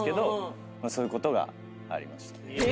そういうことがありましたね。